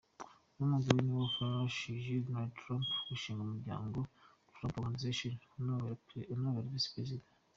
Uyu mugore ni nawe wafashije Donald Trump gushinga umuryango Trump Organization anawubera Visi-Perezida.